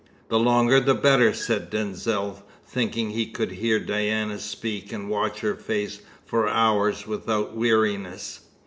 "The longer the better," said Denzil, thinking he could hear Diana speak and watch her face for hours without weariness.